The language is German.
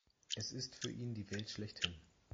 Es ist für ihn die Welt schlechthin.